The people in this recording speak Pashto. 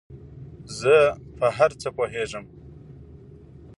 زۀ په هر څه پوهېږم